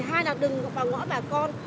hai là đường vào ngõ bà con